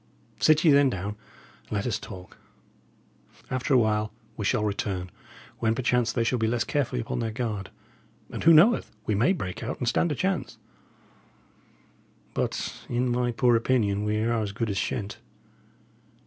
Sit ye then down, and let us talk. After a while we shall return, when perchance they shall be less carefully upon their guard; and, who knoweth? we may break out and stand a chance. But, in my poor opinion, we are as good as shent."